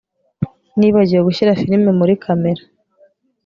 Nibagiwe gushyira firime muri kamera